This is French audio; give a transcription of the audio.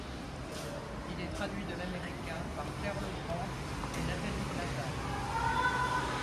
Il est traduit de l'américain par Claire Le Grand et de Nathalie Vlatal.